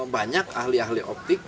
banyak ahli ahli optik